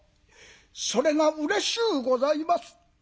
それがうれしゅうございます」。